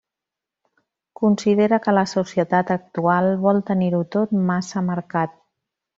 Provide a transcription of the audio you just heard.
Considera que la societat actual vol tenir-ho tot massa marcat.